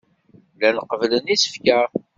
Llan qebblen isefka.